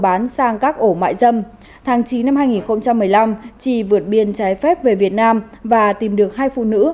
bán sang các ổ mại dâm tháng chín năm hai nghìn một mươi năm chi vượt biên trái phép về việt nam và tìm được hai phụ nữ